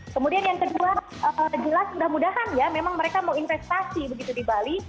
kemudian yang kedua jelas mudah mudahan ya memang mereka mau investasi begitu di bali